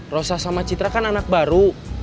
rosa sama citra kan anak baru